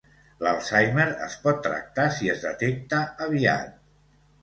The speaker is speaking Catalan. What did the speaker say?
L'Alzheimer es pot tractar si es detecta aviat.